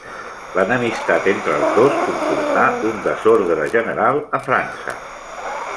L'enemistat entre els dos comportà un desordre general a França.